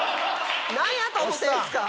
なんやと思ってるんですか！